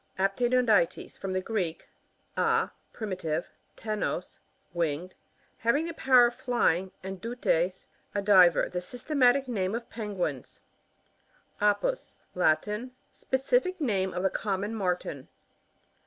APTENoDYTES. : From thc Greek, a, privative — ptenos, winged ; having the power of flying, and dutest a diver. The systematic name of Penguins* Apus. — Latin. Specific name of the common Martin.